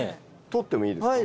取ってもいいですか？